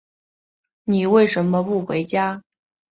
你为什么不回家？